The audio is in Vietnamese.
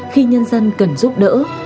khi nhân dân cần giúp đỡ